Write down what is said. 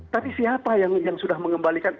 tapi siapa yang sudah mengembalikan